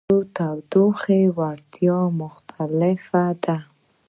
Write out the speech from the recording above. د موادو تودوخې وړتیا مختلفه ده.